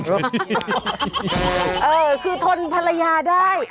เออคือทนภรรยาได้